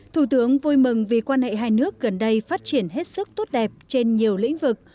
thủ tướng vui mừng vì quan hệ hai nước gần đây phát triển hết sức tốt đẹp trên nhiều lĩnh vực